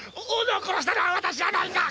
女を殺したのは私じゃないんだ！